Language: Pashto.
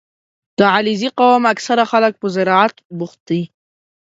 • د علیزي قوم اکثره خلک په زراعت بوخت دي.